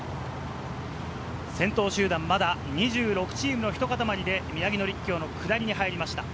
先頭集団、まだ２６チームのひと塊で宮城野陸橋の下りに入りました。